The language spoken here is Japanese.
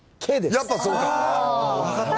やっぱそうか。